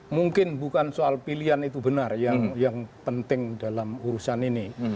mungkin bukan soal pilihan itu benar yang penting dalam urusan ini